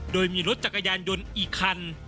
โดยมีรถจักรยานยนต์อีกคัน